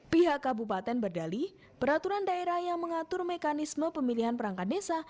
pihak kabupaten berdali peraturan daerah yang mengatur mekanisme pemilihan perangkat desa